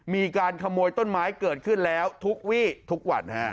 มีการขโมยต้นไม้เกิดขึ้นแล้วทุกวี่ทุกวันฮะ